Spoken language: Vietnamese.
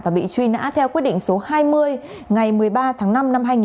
và bị truy nã theo quyết định số hai mươi ngày một mươi ba tháng năm năm hai nghìn một mươi